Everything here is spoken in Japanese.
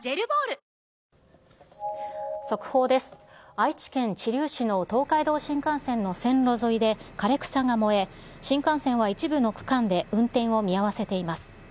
愛知県知立市の東海道新幹線の線路沿いで枯れ草が燃え、新幹線は一部の区間で運転を見合わせています。